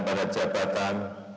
presiden r nabawu